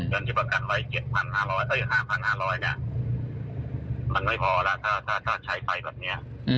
จนจะประกันไฟ๕๕๐๐บาทเนี่ยมันไม่พอแล้วถ้าใช้ไฟแบบนี้